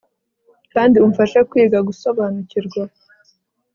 kandi umfashe kwiga gusobanukirwa